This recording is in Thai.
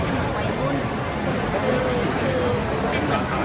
ช่องความหล่อของพี่ต้องการอันนี้นะครับ